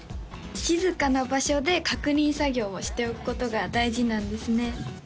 静かな場所で確認作業をしておくことが大事なんですね